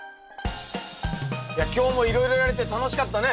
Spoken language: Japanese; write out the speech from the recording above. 今日もいろいろやれて楽しかったね。